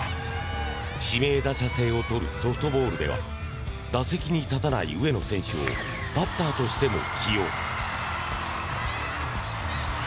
指名打者制をとるソフトボールでは打席に立たない上野選手をバッターとしても起用。